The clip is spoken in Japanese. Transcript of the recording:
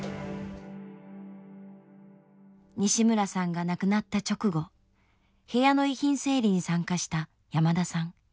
西村さんが亡くなった直後部屋の遺品整理に参加した山田さん。